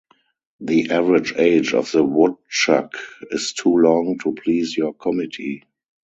The average age of the woodchuck is too long to please your committee...